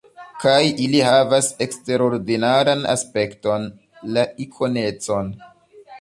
Kaj ili havas eksterordinaran aspekton: la ikonecon.